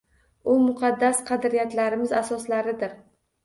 U muqaddas qadriyatlarimiz asoslaridir.